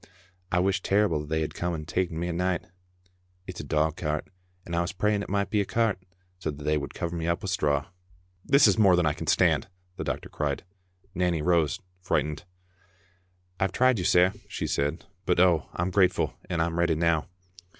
... I wish terrible they had come and ta'en me at nicht ... It's a dog cart, and I was praying it micht be a cart, so that they could cover me wi' straw." "This is more than I can stand," the doctor cried. Nanny rose frightened. "I've tried you, sair," she said, "but, oh, I'm grate ful, and I'm ready now."